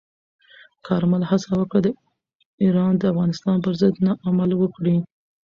کارمل هڅه وکړه، ایران د افغانستان پر ضد نه عمل وکړي.